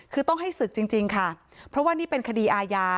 คือต้องให้ศึกจริงค่ะเพราะว่านี่เป็นคดีอาญา